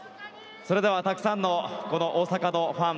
それではたくさんの大阪のファン